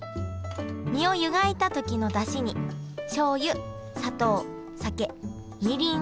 身を湯がいた時のだしにしょうゆ砂糖酒みりんを投入。